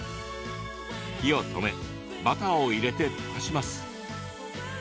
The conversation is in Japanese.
火を止めバターを入れて溶かします。